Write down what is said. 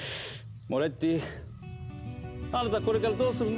モレッティあなたこれからどうするの？